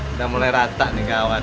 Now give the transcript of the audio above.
udah mulai rata nih kawan